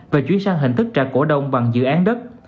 và chuyển sang hình thức trả cổ đông bằng dự án đất